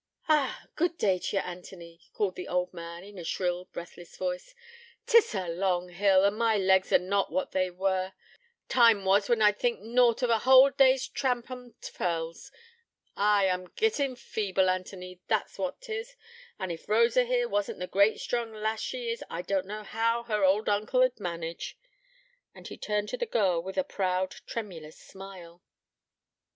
'Ah! good day t' ye, Anthony,' called the old man, in a shrill, breathless voice. ''Tis a long hill, an' my legs are not what they were. Time was when I'd think nought o' a whole day's tramp on t' fells. Ay, I'm gittin' feeble, Anthony, that's what 'tis. And if Rosa here wasn't the great, strong lass she is, I don't know how her old uncle'd manage;' and he turned to the girl with a proud, tremulous smile.